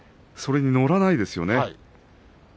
それに乗らないですよね。